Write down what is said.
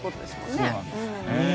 そうなんですよね。